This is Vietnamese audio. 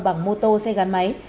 bằng mô tô xe gắn máy